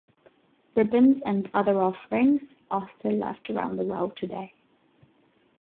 Ribbons and other offerings are still left around the well today.